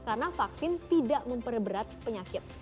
karena vaksin tidak memperberat penyakit